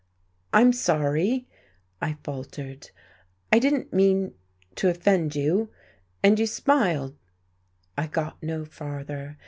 "I'm sorry," I faltered. "I didn't mean to offend you. And you smiled " I got no farther.